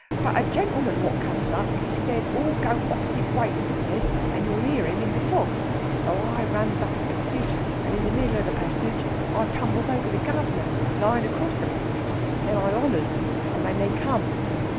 But a gentleman what comes up, he says all go opposite ways, he says, and you'll hear him in the fog. So I runs up a parsage, and in the middle of the parsage I tumbles over the guv'nor lyin' acrost the parsage. Then I hollers, and then they come."